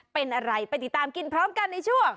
เป็นอะไรไปติดตามกินพร้อมกันในช่วง